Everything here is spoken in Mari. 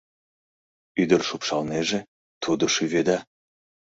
Ӱдыр шупшалнеже — тудо шӱведа.